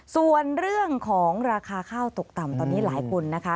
ส่วนเรื่องของราคาข้าวตกต่ำตอนนี้หลายคนนะคะ